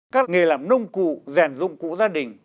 các nghề làm nông cụ rèn dụng cụ gia đình